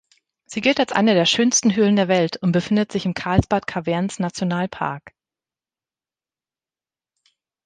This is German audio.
Sie gilt als eine der schönsten Höhlen der Welt und befindet sich im Carlsbad-Caverns-Nationalpark.